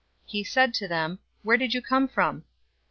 He said to them, "Where did you come from?"